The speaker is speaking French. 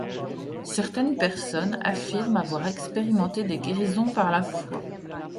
Certaines personnes affirment avoir expérimenté des guérisons par la foi.